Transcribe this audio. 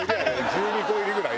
１２個入りぐらい？